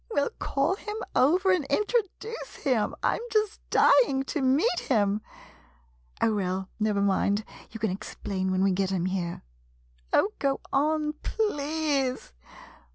Well, call him over and introduce him — I 'm just dying to meet him ! Oh, well — never mind, you can explain when we get him here — Oh, go on — p 1 e a s e